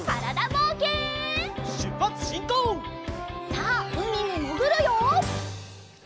さあうみにもぐるよ！